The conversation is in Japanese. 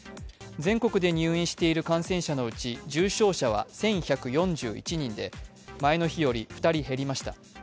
全国で入院している感染者のうち重症者は１１４１人で前の日より２人減りました。